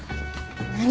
何？